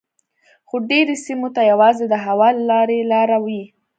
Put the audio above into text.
خو ډیری سیمو ته یوازې د هوا له لارې لاره وي